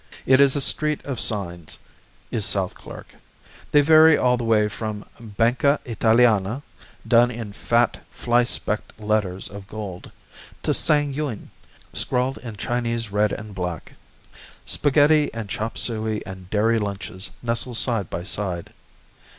It is a street of signs, is South Clark. They vary all the way from "Banca Italiana" done in fat, fly specked letters of gold, to "Sang Yuen" scrawled in Chinese red and black. Spaghetti and chop suey and dairy lunches nestle side by side.